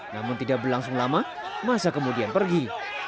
namun tidak berlangsung lama masa kemudian pergi